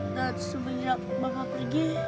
dan semenjak bapak pergi